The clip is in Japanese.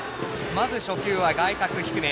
まず初球は外角低め。